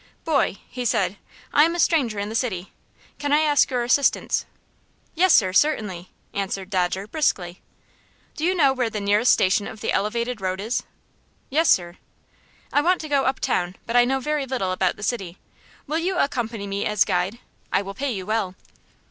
"Boy," he said, "I am a stranger in the city. Can I ask your assistance?" "Yes, sir; certainly," answered Dodger, briskly. "Do you know where the nearest station of the elevated road is?" "Yes, sir?" "I want to go uptown, but I know very little about the city. Will you accompany me as guide? I will pay you well."